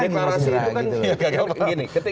deklarasi itu kan